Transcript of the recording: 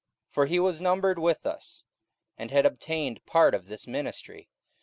44:001:017 For he was numbered with us, and had obtained part of this ministry.